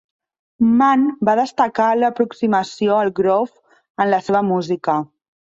Mann va destacar l'aproximació al groove en la seva música.